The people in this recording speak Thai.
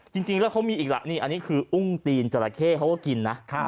จริงแล้วเขามีอีกล่ะนี่อันนี้คืออุ้งตีนจราเข้เขาก็กินนะ